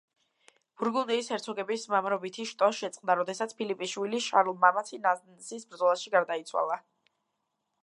ბურგუნდიის ჰერცოგების მამრობითი შტო შეწყდა, როდესაც ფილიპის შვილი შარლ მამაცი ნანსის ბრძოლაში გარდაიცვალა.